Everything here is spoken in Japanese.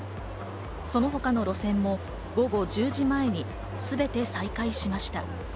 その他の路線も午後１０時前に全て再開しました。